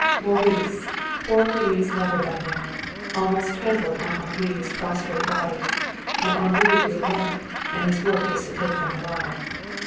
Maurice, poor Marie's lover by now, almost trampled on Henri's prostrate body. And Henri was alone, and his work was to take them alive.